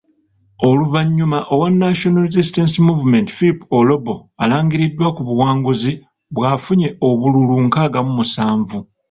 Oluvanyuma owa National Resistance Movement Philip Olobo, alangiriddwa ku buwanguzi bw'afunye obululu nkaaga mu musanvu.